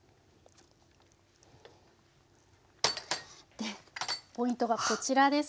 でポイントがこちらですね。